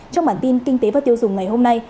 trong bản tin kinh tế và tiêu dùng ngày hôm nay